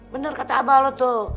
bener kata abah lu tuh